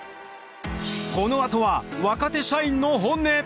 このあとは若手社員の本音。